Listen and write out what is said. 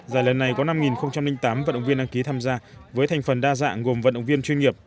giải lần này có năm tám vận động viên đăng ký tham gia với thành phần đa dạng gồm vận động viên chuyên nghiệp